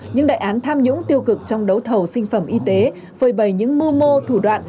những đại án tham nhũng tiêu cực trong đấu thầu sinh phẩm y tế phơi bày những mưu mô thủ đoạn